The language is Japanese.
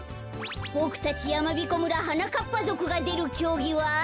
ボクたちやまびこ村はなかっぱぞくがでるきょうぎは。